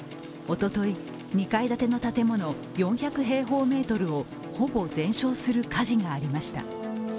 おととい、２階建ての建物４００平方メートルをほぼ全焼する火事がありました。